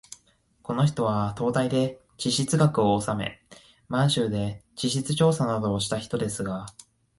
この人は東大で地質学をおさめ、満州で地質調査などをした人ですが、